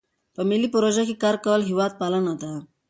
په ملي پروژو کې کار کول هیوادپالنه ده.